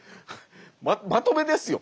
まとめですよ。